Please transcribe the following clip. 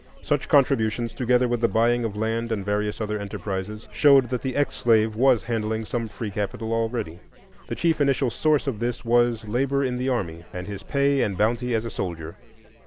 Such contributions, together with the buying of land and various other enterprises, showed that the ex slave was handling some free capital already. The chief initial source of this was labor in the army, and his pay and bounty as a soldier.